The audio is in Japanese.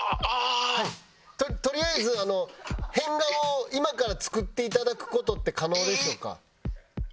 とりあえず変顔を今から作っていただく事って可能でしょうか？